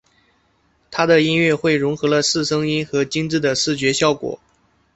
他的音乐会融合了四声音和精致的视觉效果。